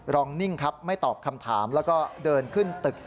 นิ่งครับไม่ตอบคำถามแล้วก็เดินขึ้นตึก